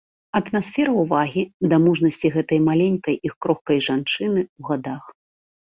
Атмасфера ўвагі да мужнасці гэтай маленькай і крохкай жанчыны ў гадах.